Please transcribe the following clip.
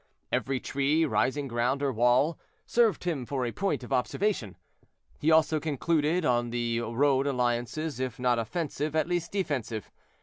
Every tree, rising ground, or wall, served him for a point of observation. He also concluded on the road alliances, if not offensive, at least defensive.